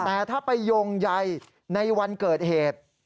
แต่ถ้าไปโยงใยในวันเกิดเหตุ